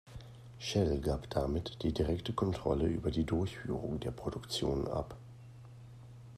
Shell gab damit die direkte Kontrolle über die Durchführung der Produktion ab.